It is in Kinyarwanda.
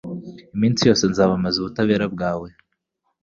Iminsi yose nzamamaza ubutabera bwawe